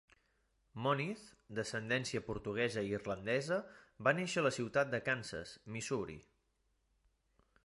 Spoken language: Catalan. Moniz, d'ascendència portuguesa i irlandesa, va néixer a la ciutat de Kansas, Missouri.